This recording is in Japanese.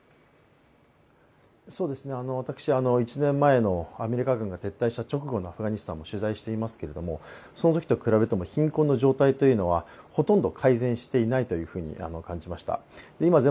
私、１年前のアメリカ軍が撤退した直後のアフガニスタンも取材していますけれどもそのときと比べても貧困の状態というのはほとんど改善していないと感じました。